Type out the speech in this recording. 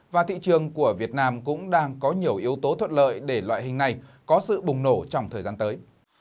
và thị trường của việt nam cũng đang có nhiều yếu tố thuận lợi để loại hình này có sự bùng nổ trong thời gian tới